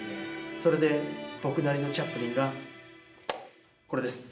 それで、僕なりのチャップリンがこれです。